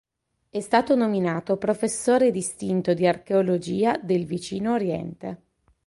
È stato nominato Professore Distinto di Archeologia del Vicino Oriente.